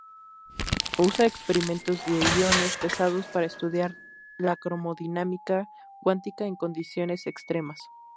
Usa experimentos de iones pesados para estudiar la cromodinámica cuántica en condiciones extremas.